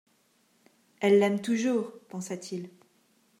Elle l'aime toujours ! pensa-t-il.